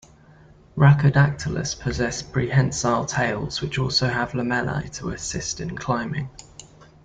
"Rhacodactylus" possess prehensile tails which also have lamellae to assist in climbing.